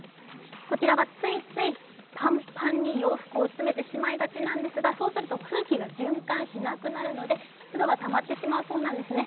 こちらはついつい、パンパンに洋服を詰めてしまいがちなのですがそうすると空気が循環しなくなるので湿度がたまってしまうそうなんですね。